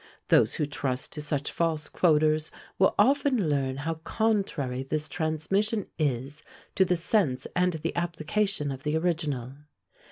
Those who trust to such false quoters will often learn how contrary this transmission is to the sense and the application of the original.